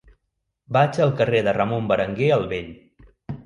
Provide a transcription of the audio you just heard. Vaig al carrer de Ramon Berenguer el Vell.